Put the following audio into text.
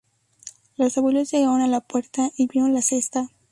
Los abuelos llegaron a la puerta y vieron la cesta.